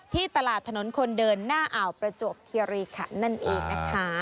ที่ตลาดถนนคนเดินหน้าอ่าวประจวบคิริขันนั่นเองนะคะ